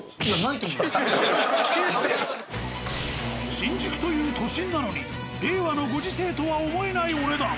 新宿という都心なのに令和のご時世とは思えないお値段。